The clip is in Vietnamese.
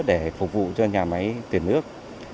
để phục vụ cho nhà máy tuyển nước